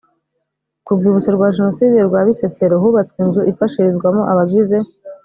ku rwibutso rwa jenoside rwa bisesero hubatswe inzu ifashirizwamo abagize